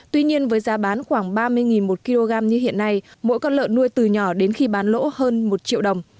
tuy nhiên với giá bán khoảng ba mươi một kg như hiện nay mỗi con lợn nuôi từ nhỏ đến khi bán lỗ hơn một triệu đồng